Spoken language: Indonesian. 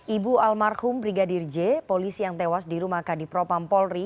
ibu almarhum brigadir j polisi yang tewas di rumah kadipropam polri